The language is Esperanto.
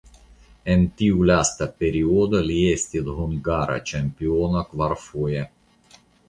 En tiu lasta periodo li estis hungara ĉampiono kvarfoje.